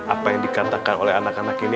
apa yang dikatakan oleh anak anak ini